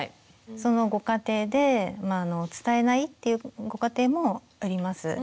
そのご家庭で伝えないっていうご家庭もあります。